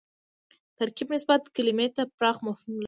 ترکیب نسبت کلیمې ته پراخ مفهوم لري